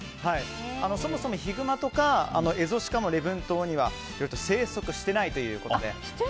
そもそもヒグマとかエゾシカは礼文島に生息していないということで。